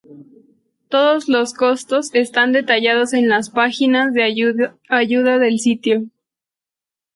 Todos los costos están detallados en las páginas de ayuda del sitio.